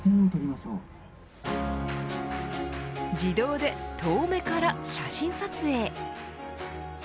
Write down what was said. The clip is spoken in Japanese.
自動で遠目から写真撮影。